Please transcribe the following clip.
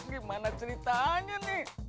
gimana ceritanya nih